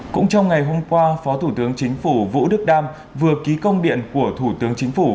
cũng trong ngày hôm qua phó thủ tướng chính phủ vũ đức đam vừa ký công điện của thủ tướng chính phủ